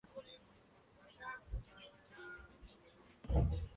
Las excepciones, los planetas con rotación retrógrada, son Venus y Urano.